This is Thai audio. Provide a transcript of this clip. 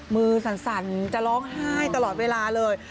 มือสั่นจะร้องไห้ตลอดเวลาเลย